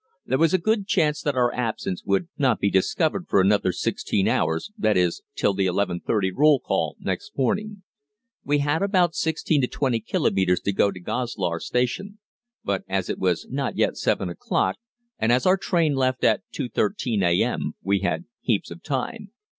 There was a good chance that our absence would not be discovered for another sixteen hours, that is, till the 11.30 roll call next morning. We had about 16 to 20 kilometres to go to Goslar station, but as it was not yet 7 o'clock, and as our train left at 2.13 a.m., we had heaps of time.